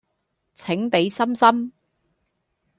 請俾心心